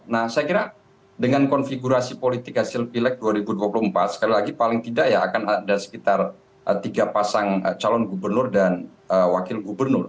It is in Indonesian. nah saya kira dengan konfigurasi politik hasil pilek dua ribu dua puluh empat sekali lagi paling tidak ya akan ada sekitar tiga pasang calon gubernur dan wakil gubernur